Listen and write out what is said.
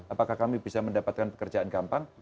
apakah kami bisa mendapatkan pekerjaan gampang